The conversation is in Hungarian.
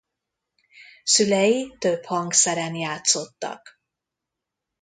Szülei több hangszeren játszottak.